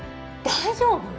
大丈夫？